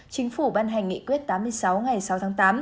chính phủ ban hành nghị quyết tám mươi sáu ngày sáu tháng tám